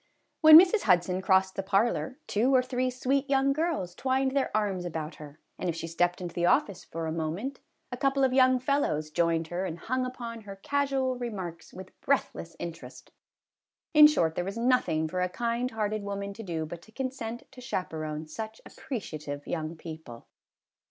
When Mrs. Hudson crossed the parlor, two or three sweet young girls twined their arms about her, and if she stepped into the office for a moment, a couple of young fellows joined her and hung upon her casual remarks with breathless interest. In short, there was nothing for a kind hearted woman to do but to consent to chaperon such appre ciative young people.